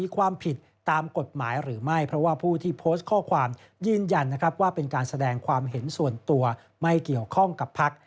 ความผิดตามกฎหมายหรือไม่เพราะว่าผู้ที่โพสต์ข้อความยืนยันนะครับว่าเป็นการแสดงความเห็นส่วนตัวไม่เกี่ยวข้องกับพัก